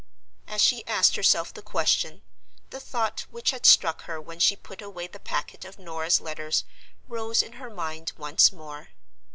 As she asked herself the question, the thought which had struck her when she put away the packet of Norah's letters rose in her mind once more.